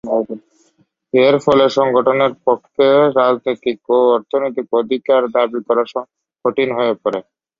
এর ফলে সংগঠনের পক্ষে রাজনৈতিক ও অর্থনৈতিক অধিকার দাবি করা কঠিন হয়ে পড়ে।